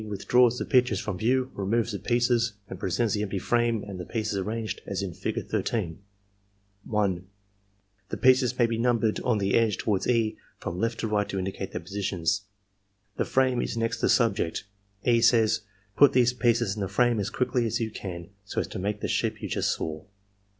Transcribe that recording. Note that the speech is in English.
withdraws the picture from view, removes the pieces, and presents the empty frame and the pieces arranged as in Fig. 13 (1).* ♦ The figure niunbers of the "Guide" appear in parenthesis. EXAMINER'S GUIDE The pieces may be numbered on the edge toward E, from left to right to indicate their positions. The frame is next the sub ject. E. says: "Put these pieces in the frame as quiddy as you can so as to make the ship you just saw."